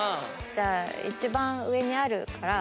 じゃあ一番上にあるから。